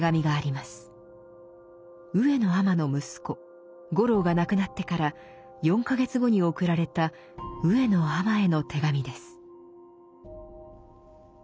上野尼の息子五郎が亡くなってから４か月後に送られた上野尼への手紙です。